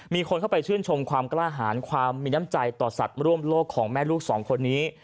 มีคนเข้าไปชื่นชมความกล้าหารความมีน้ำใจต่อสัตว์ร่วมโลกของแม่ลูกสองคนนี้